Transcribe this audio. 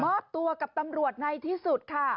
มอบตัวกับตำรวจในที่สุดค่ะ